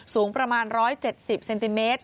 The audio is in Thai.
สูงประมาณ๑๗๐เซนติเมตร